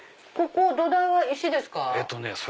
ここ土台は石ですか？